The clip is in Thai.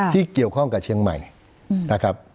ที่เกี่ยวข้องกับเชียงใหม่นะครับ